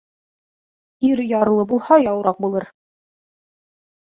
Ир ярлы булһа яураҡ булыр.